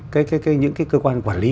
cái những cái cơ quan quản lý